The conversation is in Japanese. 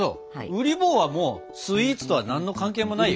うり坊はスイーツとは何も関係もないよ。